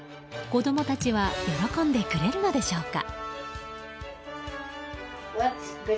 子供たちは喜んでくれるのでしょうか。